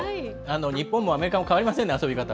日本もアメリカも変わりませんね、遊び方。